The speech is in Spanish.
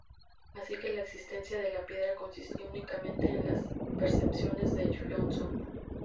Así que la existencia de la piedra consistía únicamente en las "percepciones" de Johnson.